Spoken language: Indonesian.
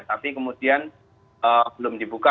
tapi kemudian belum dibuka